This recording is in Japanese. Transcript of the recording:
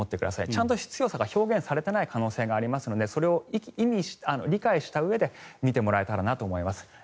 ちゃんと強さが表現されていない可能性がありますのでそれを理解したうえで見てもらえたらなと思います。